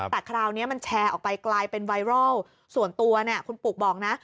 แต่คราวนี้มันแชร์ออกไปกลายเป็นไวรัลส่วนตัวเนี่ยคุณปุกบอกนะ